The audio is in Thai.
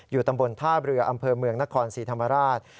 อยู่ตำบลทาบเรืออำเภอเมืองนครสีธรรมราช